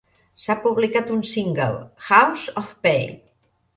S'ha publicat un single, 'House of Pain'.